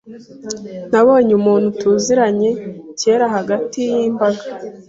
Nabonye umuntu tuziranye kera hagati yimbaga.